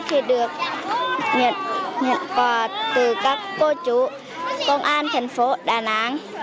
thì được nhận quà từ các cô chủ công an thành phố đà nẵng